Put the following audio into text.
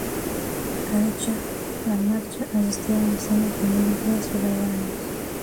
A dicha la marcha asistieron decenas de miles de ciudadanos.